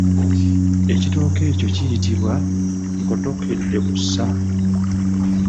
Ekitooke ekyo kiyitibwa nkottokeddebusa.